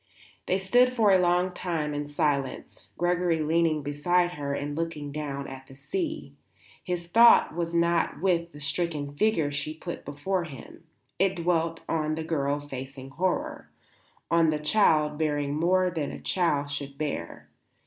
They stood for a long time in silence, Gregory leaning beside her and looking down at the sea. His thought was not with the stricken figure she put before him; it dwelt on the girl facing horror, on the child bearing more than a child should bear.